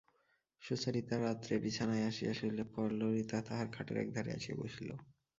সুচরিতা রাত্রে বিছানায় আসিয়া শুইলে পর ললিতা তাহার খাটের এক ধারে আসিয়া বসিল।